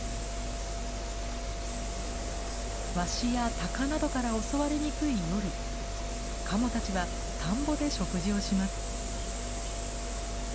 ワシやタカなどから襲われにくい夜カモたちは田んぼで食事をします。